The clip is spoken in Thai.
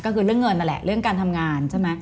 ก็คือเรื่องเงินนั่นแหละเรื่องการทำงานใช่ไหม